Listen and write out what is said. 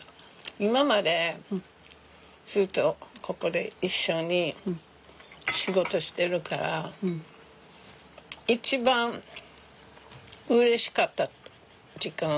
今までずっとここで一緒に仕事してるから一番うれしかった時間はいつだった？